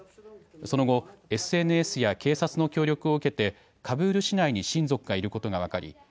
その後、ＳＮＳや警察の協力を受けてカブール市内に親族がいることが分かり